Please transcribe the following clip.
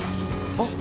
・あっ！！